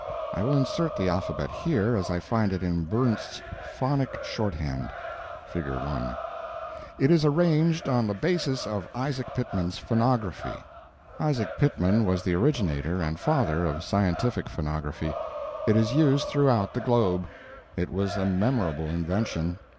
_ I will insert the alphabet here as I find it in Burnz's Phonic Shorthand. (Figure 1) It is arranged__ on the basis of Isaac Pitman's Phonography. Isaac Pitman was the originator and father of scientific phonography. It is used throughout the globe. It was a memorable invention.